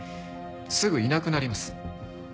すぐいなくなります。